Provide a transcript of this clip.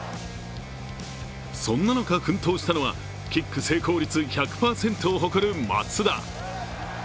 そんな中、奮闘したのは、キック成功率１００％を誇る松田。